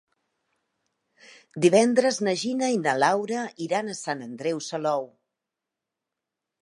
Divendres na Gina i na Laura iran a Sant Andreu Salou.